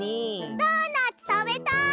ドーナツたべたい！